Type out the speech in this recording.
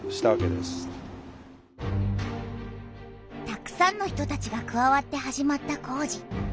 たくさんの人たちがくわわって始まった工事。